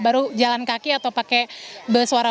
baru jalan kaki atau pakai bersuara